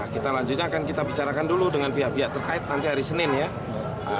kita lanjutnya akan kita bicarakan dulu dengan pihak pihak terkait nanti hari senin ya